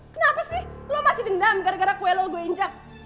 kenapa sih lo masih dendam gara gara kue lo gue injak